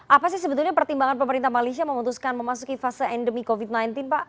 apa sih sebetulnya pertimbangan pemerintah malaysia memutuskan memasuki fase endemi covid sembilan belas pak